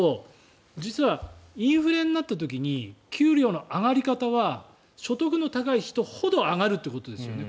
実はインフレになった時に給料の上がり方は所得の高い人ほど上がるということですよね。